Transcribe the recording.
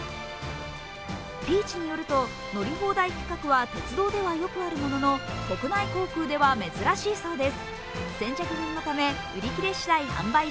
ピーチによると、乗り放題企画は鉄道ではよくあるものの国内航空では珍しいそうです。